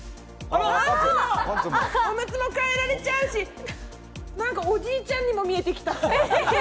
オムツも替えられちゃうし、なんか、おじいちゃんにも見えてきた。